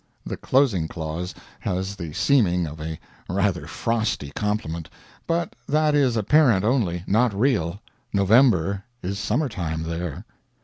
The closing clause has the seeming of a rather frosty compliment, but that is apparent only, not real. November is summer time there.